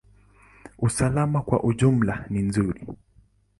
Usalama kwa ujumla ni nzuri.